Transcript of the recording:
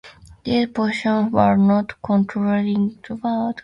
These positions were not contradictory at the time and, in fact, were mutually supportive.